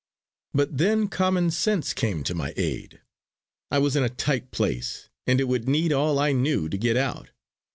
But then common sense came to my aid. I was in a tight place, and it would need all I knew to get out.